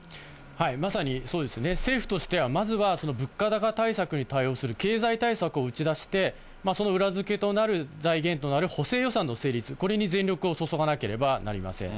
まさにそうですね、政府としてはまずは物価高対策に対応する経済対策を打ち出して、その裏付けとなる財源となる補正予算の成立、これに全力を注がなければなりません。